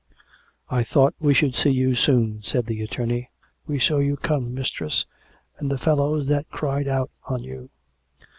" I thought we should see you soon/' said the attorney. " We saw you come, mistress ; and the fellows that cried out on you."